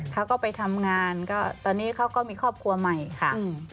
เขาก็ไปทำงานก็ตอนนี้เขาก็มีครอบครัวใหม่ค่ะ